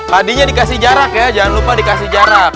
padinya dikasih jarak ya jangan lupa dikasih jarak